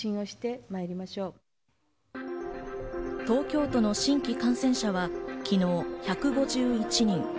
東京都の新規感染者は昨日１５１人。